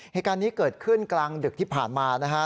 เหตุการณ์นี้เกิดขึ้นกลางดึกที่ผ่านมานะฮะ